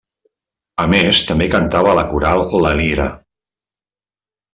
A més, també cantava a la Coral La Lira.